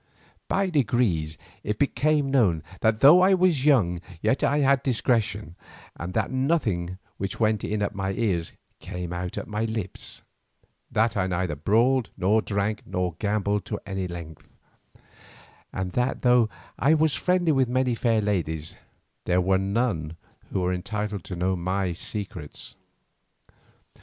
By degrees it became known that though I was so young yet I had discretion, and that nothing which went in at my ears came out of my lips; that I neither brawled nor drank nor gambled to any length, and that though I was friendly with many fair ladies, there were none who were entitled to know my secrets.